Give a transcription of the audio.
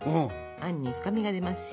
あんに深みが出ますし。